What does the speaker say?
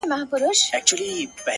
• راڅخه زړه وړي رانه ساه وړي څوك؛